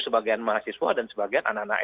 sebagian mahasiswa dan sebagian anak anak